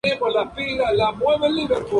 Siguiendo sus deseos, sus hijos tomaron el relevo.